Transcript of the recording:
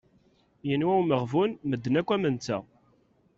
Yenwa umeɣbun, medden akk am netta.